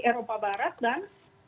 apa barat dan